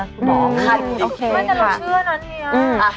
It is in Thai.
อุ่งนี้หนูเชื่อนะนี่